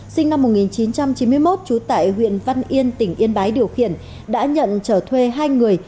sinh năm một nghìn chín trăm chín mươi một trú tại huyện văn yên tỉnh yên bái điều khiển đã nhận trở thuê hai người